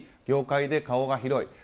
業界で顔が広い。